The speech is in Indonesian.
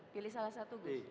pilih salah satu gus